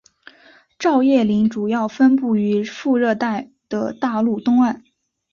照叶林主要分布于副热带的大陆东岸。